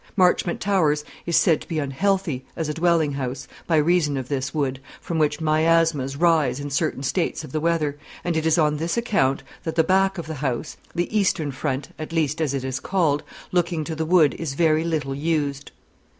Marchmont Towers is said to be unhealthy, as a dwelling house, by reason of this wood, from which miasmas rise in certain states of the weather; and it is on this account that the back of the house the eastern front, at least, as it is called looking to the wood is very little used.